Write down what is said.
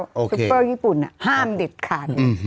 ซุปเปอร์ญี่ปุ่นห้ามเด็ดขาด